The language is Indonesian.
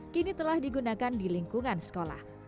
kini telah digunakan di lingkungan sekolah